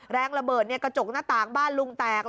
แรงระเบิดกระจกหน้าต่างบ้านลุงแตก